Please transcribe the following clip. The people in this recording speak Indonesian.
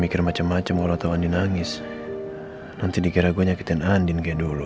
kalau lo tau andien nangis nanti dikira gue nyakitin andien kayak dulu